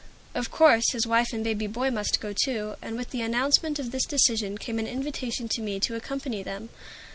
Of course his wife and baby boy must go too, and with the announcement of this decision came an invitation to me to accompany them.